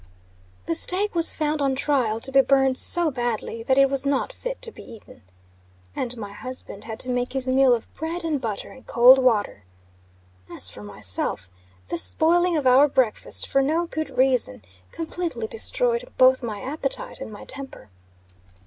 The steak was found, on trial, to be burned so badly that it was not fit to be eaten. And my husband had to make his meal of bread and butter and cold water. As for myself, this spoiling of our breakfast for no good reason, completely destroyed both my appetite and my temper.